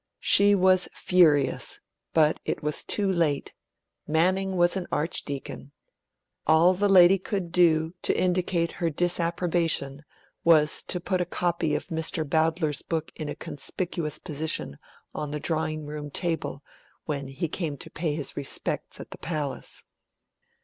She was furious, but it was too late; Manning was an Archdeacon. All the lady could do, to indicate her disapprobation, was to put a copy of Mr. Bowdler's book in a conspicuous position on the drawing room table, when he came to pay his respects at the Palace.